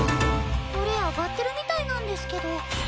これ上がってるみたいなんですけど。